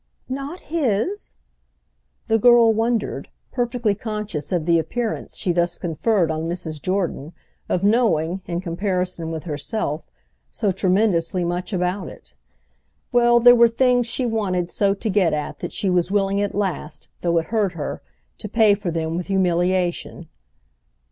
"Not his?" The girl wondered, perfectly conscious of the appearance she thus conferred on Mrs. Jordan of knowing, in comparison with herself, so tremendously much about it. Well, there were things she wanted so to get at that she was willing at last, though it hurt her, to pay for them with humiliation.